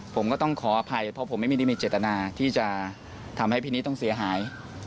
ผมก็ต้องขออภัยเพราะผมไม่ได้มีเจตนาที่จะทำให้พี่นิดต้องเสียหาย